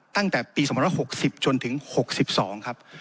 ตั้งแต่ปี๒๖๐จนถึง๖๒ครับ